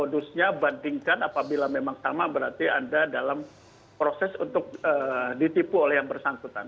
modusnya bandingkan apabila memang sama berarti anda dalam proses untuk ditipu oleh yang bersangkutan